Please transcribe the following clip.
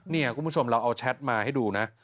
นี่คุณผู้ชมเราเอาแชทมาให้ดูนะ